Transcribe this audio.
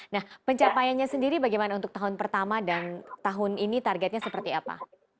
nah pencapaiannya sendiri bagaimana untuk tahun pertama dan tahun ini targetnya seperti apa